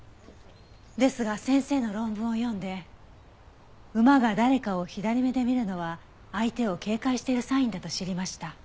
ですが先生の論文を読んで馬が誰かを左目で見るのは相手を警戒しているサインだと知りました。